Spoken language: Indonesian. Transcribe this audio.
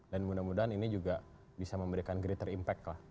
dan mudah mudahan ini juga bisa memberikan greater impact lah